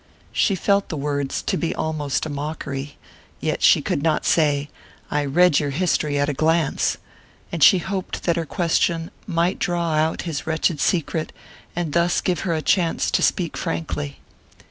She felt the words to be almost a mockery; yet she could not say "I read your history at a glance"; and she hoped that her question might draw out his wretched secret, and thus give her the chance to speak frankly.